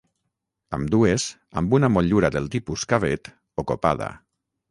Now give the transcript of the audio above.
Ambdues amb una motllura del tipus cavet o copada.